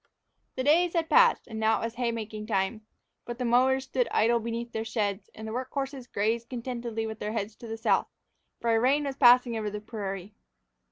The days had passed, and it was now haying time. But the mowers stood idle beneath their sheds, and the work horses grazed contentedly with their heads to the south, for a rain was passing over the prairie.